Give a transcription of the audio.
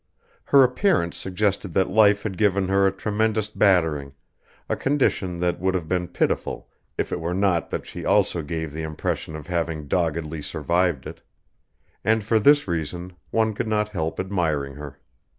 Her appearance suggested that life had given her a tremendous battering, a condition that would have been pitiful if it were not that she also gave the impression of having doggedly survived it; and for this reason one could not help admiring her.